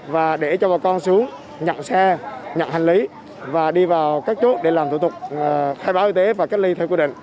và để cho bà con xuống nhận xe nhận hành lý và đi vào các chốt để làm thủ tục khai báo y tế và cách ly theo quy định